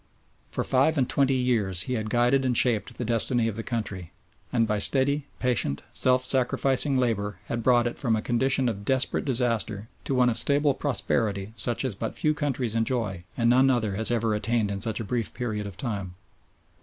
For five and twenty years he had guided and shaped the destiny of the country, and by steady, patient, self sacrificing labour had brought it from a condition of desperate disaster to one of stable prosperity such as but few countries enjoy and none other has ever attained in such a brief period of time.